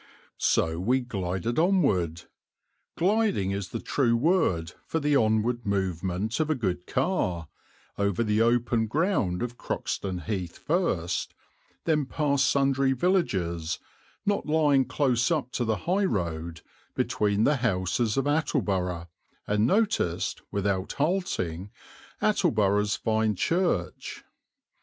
So we glided onward gliding is the true word for the onward movement of a good car over the open ground of Croxton Heath first, then past sundry villages, not lying close up to the high road, between the houses of Attleborough, and noticed, without halting, Attleborough's fine church.